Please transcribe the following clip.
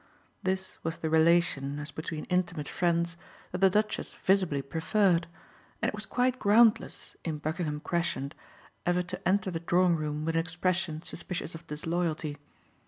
This was the relation, as between intimate friends, that the Duchess visibly preferred, and it was quite groundless, in Buckingham Crescent, ever to enter the drawing room with an expression suspicious of disloyalty.